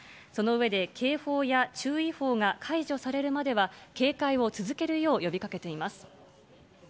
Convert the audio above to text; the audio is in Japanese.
その上で、警報や注意報が解除されるまでは、警戒を続けるよう呼びかけています。